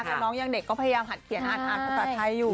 ถ้าน้องยังเด็กก็พยายามหัดเขียนอ่านภาษาไทยอยู่